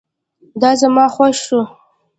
دا زما خوښ شو